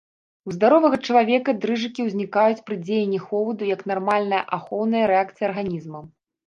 У здаровага чалавека дрыжыкі ўзнікаюць пры дзеянні холаду як нармальная ахоўная рэакцыя арганізма.